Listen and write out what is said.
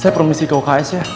saya permisi ke uks ya